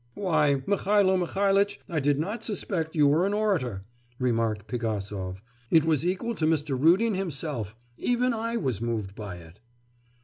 'Why, Mihailo Mihailitch, I did not suspect you were an orator,' remarked Pigasov; 'it was equal to Mr. Rudin himself; even I was moved by it.